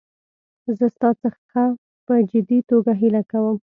زه ستا څخه په جدي توګه هیله کوم.